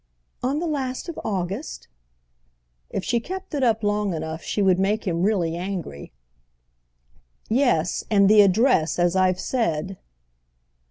"Oh the last of August?" If she kept it up long enough she would make him really angry. "Yes, and the address, as I've said."